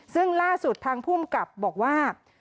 ซึ่งล่าสุดทางภูมิกับบอกว่า